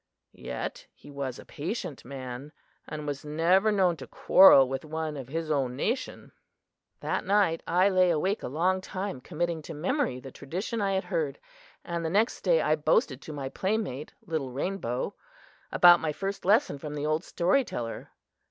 Yet he was a patient man, and was never known to quarrel with one of his own nation." That night I lay awake a long time committing to memory the tradition I had heard, and the next day I boasted to my playmate, Little Rainbow, about my first lesson from the old storyteller.